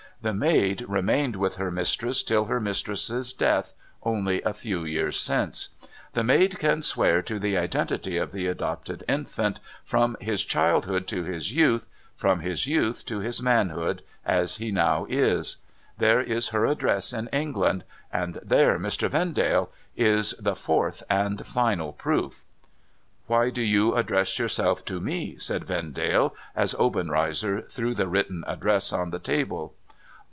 The maid remained with her mistress till her mistress's death, only a few years since. The maid can swear to the identity of the adopted infant, from his childhood to his youth — from his youth to his manhood, as he is now. There is her address in England — and there, Mr. Vendale, is the fourth, and final proof !'' Why do you address yourself to vie 1 ' said Vendale, as Oben reizer threw the written address on the table.